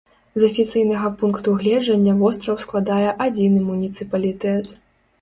З афіцыйнага пункту гледжання востраў складае адзіны муніцыпалітэт.